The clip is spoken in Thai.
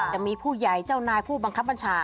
จะมีผู้ใหญ่เจ้านายผู้บังคับบัญชา